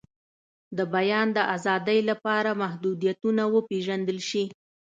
د بیان د آزادۍ لپاره محدودیتونه وپیژندل شي.